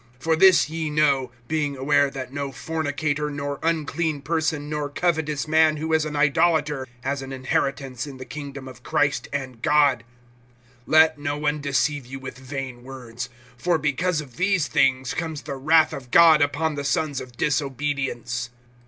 (5)For this ye know, being aware that no fornicator, nor unclean person, nor covetous man, who is an idolater, has an inheritance in the kingdom of Christ and God. (6)Let no one deceive you with vain words; for because of these things comes the wrath of God upon the sons of disobedience.